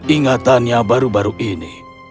ingatannya baru baru ini